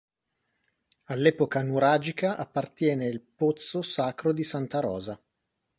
All'epoca nuragica appartiene il pozzo sacro di Santa Rosa.